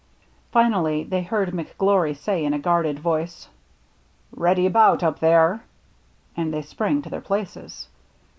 Finally they heard McGlory say in a guarded voice, " Ready about, up there !" and they sprang to their places.